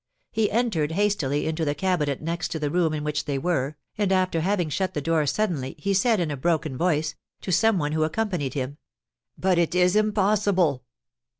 He entered hastily into the cabinet next to the room in which they were, and, after having shut the door suddenly, he said, in a broken voice, to some one who accompanied him: "But it is impossible."